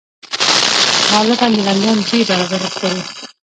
غالباً د لندن درې برابره ستر و.